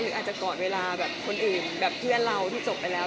อาจจะกอดเวลาแบบคนอื่นแบบเพื่อนเราที่จบไปแล้ว